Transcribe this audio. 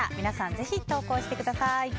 ぜひ投稿してください。